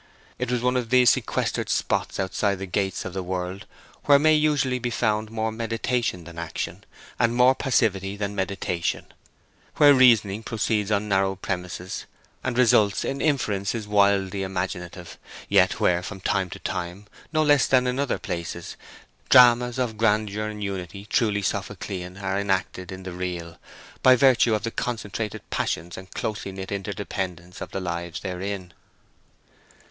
It was one of those sequestered spots outside the gates of the world where may usually be found more meditation than action, and more passivity than meditation; where reasoning proceeds on narrow premises, and results in inferences wildly imaginative; yet where, from time to time, no less than in other places, dramas of a grandeur and unity truly Sophoclean are enacted in the real, by virtue of the concentrated passions and closely knit interdependence of the lives therein.